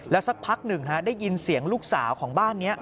สักพักหนึ่งได้ยินเสียงลูกสาวของบ้านนี้